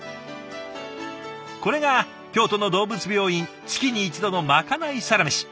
これが京都の動物病院月に一度のまかないサラメシ。